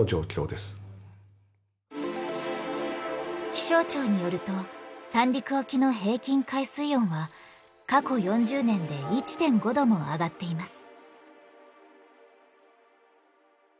気象庁によると三陸沖の平均海水温は過去４０年で１．５度も上がっています。